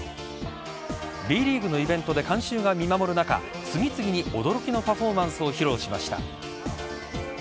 Ｂリーグのイベントで観衆が見守る中次々に驚きのパフォーマンスを披露しました。